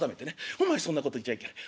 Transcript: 『お前そんなこと言っちゃいけない。